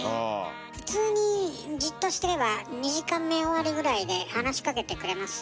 普通にじっとしてれば２時間目終わるぐらいで話しかけてくれますよ。